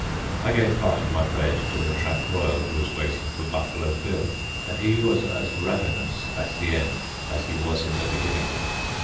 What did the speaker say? I gave part of my bread to the tramp royal who was waiting for Buffalo Bill, and he was as ravenous at the end as he was in the beginning.